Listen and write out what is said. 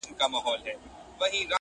سر تر نوکه لکه زرکه ښایسته وه.!